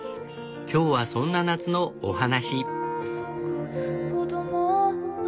今日はそんな夏のお話。